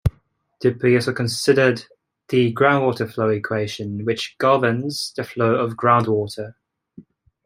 Dupuit also considered the groundwater flow equation, which governs the flow of groundwater.